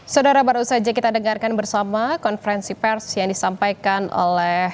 saudara baru saja kita dengarkan bersama konferensi pers yang disampaikan oleh